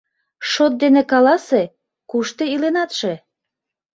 Шот ден каласе: кушто иленатше?..